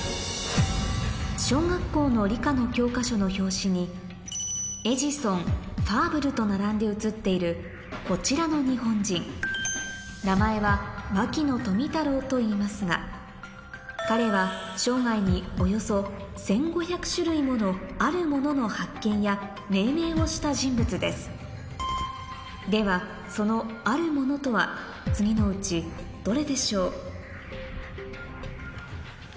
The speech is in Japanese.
小学校の理科の教科書の表紙にエジソンファーブルと並んで写っているこちらの日本人名前はといいますが彼は生涯におよそ１５００種類ものある物の発見や命名をした人物ですではその「ある物」とは次のうちどれでしょう？